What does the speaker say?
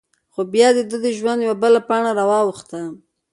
خو؛ بیا د دهٔ د ژوند یوه بله پاڼه را واوښته…